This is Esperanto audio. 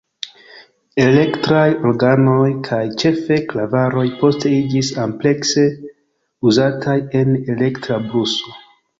Elektraj organoj kaj ĉefe klavaroj poste iĝis amplekse uzataj en elektra bluso.